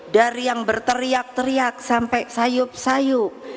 dari yang berteriak teriak sampai sayup sayup